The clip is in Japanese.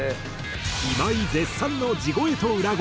今井絶賛の地声と裏声。